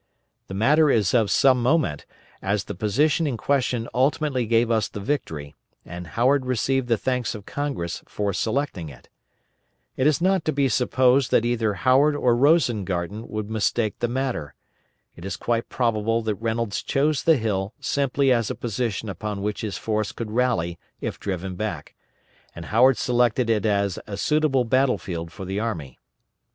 The matter is of some moment, as the position in question ultimately gave us the victory, and Howard received the thanks of Congress for selecting it. It is not to be supposed that either Howard or Rosengarten would mistake the matter. It is quite probable that Reynolds chose the hill simply as a position upon which his force could rally if driven back, and Howard selected it as a suitable battle field for the army.